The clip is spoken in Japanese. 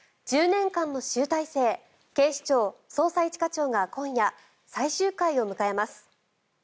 １０年間の集大成「警視庁・捜査一課長」が今夜、最終回を迎えます。